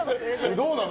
どうなの？